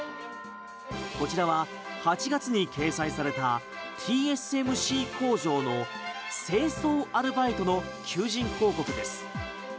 こちらは８月に掲載されたＴＳＭＣ工場の清掃アルバイトの求人広告です。